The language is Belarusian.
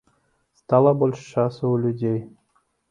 Стала больш часу ў людзей.